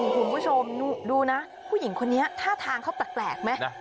คุณผู้ชมดูนะผู้หญิงคนนี้ท่าทางเขาแปลกไหม